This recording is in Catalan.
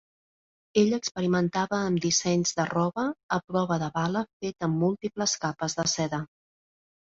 Ell experimentava amb dissenys de roba a prova de bala fet amb múltiples capes de seda.